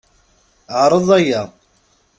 Ɛreḍ aya.